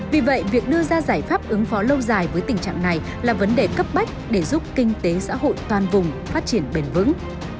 vì vậy việc đưa ra giải pháp ứng phó lâu dài với tình trạng này là vấn đề cấp bách để giúp kinh tế xã hội toàn vùng phát triển bền vững